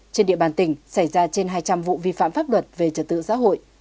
trên địa bàn tỉnh xảy ra trên hai trăm linh vụ vi phạm pháp luật về trật tự xã hội